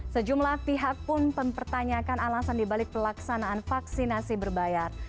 sejumlah pihak pun mempertanyakan alasan dibalik pelaksanaan vaksinasi berbayar